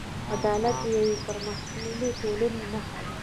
عدالت د یوې پرمختللې ټولنې نښه ده.